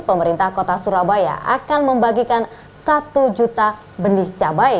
pemerintah kota surabaya akan membagikan satu juta benih cabai